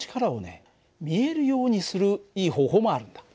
見えるようにするいい方法もあるんだ。